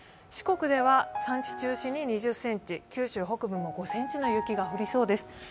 四国では山地中心に２０ｃｍ、九州北部も５ｃｍの雪が降りそうです